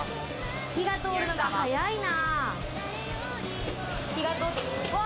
火が通るのが早いな。